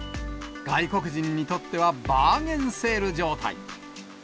外国人にとってはバーゲンセール状態。